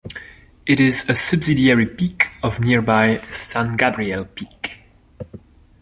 It is a subsidiary peak of nearby San Gabriel Peak.